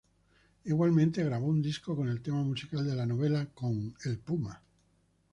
Igualmente grabó un disco con el tema musical de la novela con "El Puma".